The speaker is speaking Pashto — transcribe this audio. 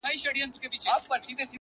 زما سره يې دومره ناځواني وكړله -